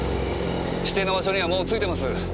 指定の場所にはもう着いてます。